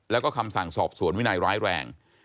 แล้วก็คำสั่งสอบสวนวินัยร้ายแรง